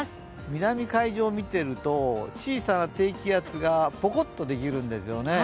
南海上見ていると、小さな低気圧がぽこっとできるんですよね。